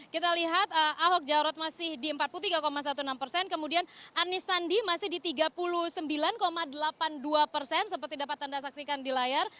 kita lihat ahok jarot masih di empat puluh tiga enam belas persen kemudian anis sandi masih di tiga puluh sembilan delapan puluh dua persen seperti dapat anda saksikan di layar